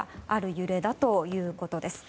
揺れだということです。